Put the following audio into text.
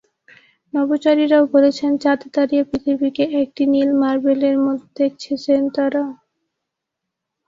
নভোচারীরাও বলেছেন, চাঁদে দাঁড়িয়ে পৃথিবীকে একটি নীল মার্বেলের মতো দেখেছেন তাঁরা।